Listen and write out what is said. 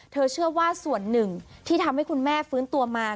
เชื่อว่าส่วนหนึ่งที่ทำให้คุณแม่ฟื้นตัวมา